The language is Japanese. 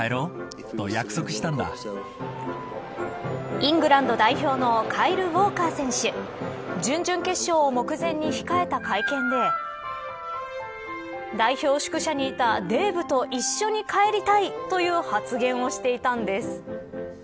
イングランド代表のカイル・ウォーカー選手準々決勝を目前に控えた会見で代表宿舎にいたデーブと一緒に帰りたいという発言をしていたんです。